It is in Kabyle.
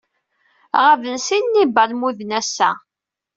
Ɣaben sin n yibalmuden ass-a.